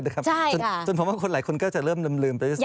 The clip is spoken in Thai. ใช่ค่ะจนผมว่าหลายคนก็จะเริ่มลืมไปที่สาม